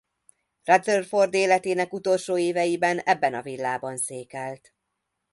Rutherford életének utolsó éveiben ebben a villában székelt.